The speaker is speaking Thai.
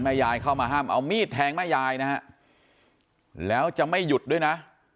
ยายเข้ามาห้ามเอามีดแทงแม่ยายนะฮะแล้วจะไม่หยุดด้วยนะ